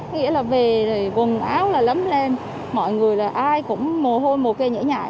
nghĩa là về quần áo là lấm lên mọi người là ai cũng mồ hôi mồ kê nhẹ nhại